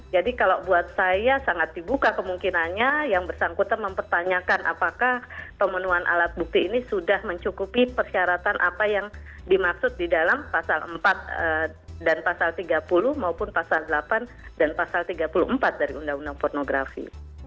jadi kalau buat saya sangat dibuka kemungkinannya yang bersangkutan mempertanyakan apakah pemenuhan alat bukti ini sudah mencukupi persyaratan apa yang dimaksud di dalam pasal empat dan pasal tiga puluh maupun pasal delapan dan pasal tiga puluh empat dari undang undang pornografi